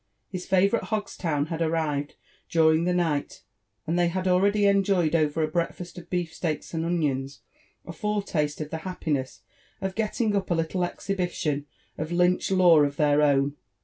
His favourite Hogatourn had arrived during the night, and they had already enjoyed, over a breakfast of beefsteaks and onions, a foretaste of the happiness of get ting up a little exhibition of Lynch law of their own.